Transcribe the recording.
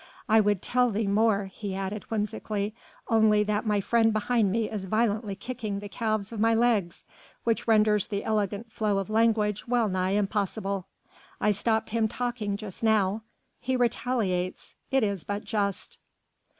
I would tell thee more," he added, whimsically, "only that my friend behind me is violently kicking the calves of my legs, which renders the elegant flow of language well nigh impossible. I stopped him talking just now he retaliates ... it is but just."